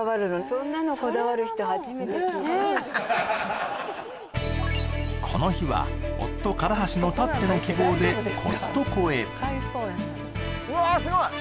そんなのこだわる人初めて聞いたこの日は夫・唐橋のたっての希望でコストコへわあすごい！